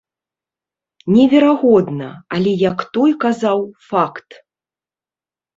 Неверагодна, але, як той казаў, факт.